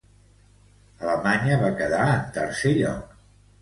Alemanya va quedar en tercer lloc.